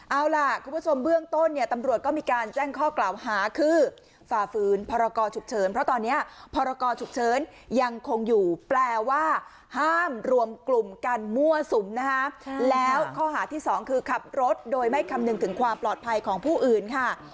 เอาล่ะคุณผู้ชมเบื้องต้นเนี่ยตำรวจก็มีการแจ้งข้อกล่าวหาคือฝ่าฝืนพรกรฉุกเฉินเพราะตอนนี้พรกรฉุกเฉินยังคงอยู่แปลว่าห้ามรวมกลุ่มกันมั่วสุมนะคะแล้วข้อหาที่สองคือขับรถโดยไม่คำนึงถึงความปลอดภัยของผู้อื่นค่ะ